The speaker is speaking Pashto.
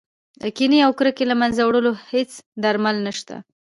د کینې او کرکې له منځه وړلو هېڅ درمل نه شته.